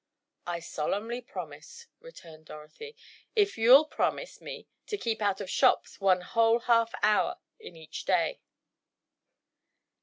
"I solemnly promise," returned Dorothy, "if you'll promise me to keep out of shops one whole half hour in each day!"